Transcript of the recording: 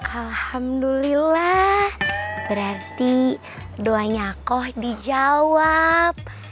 alhamdulillah berarti doanya koh dijawab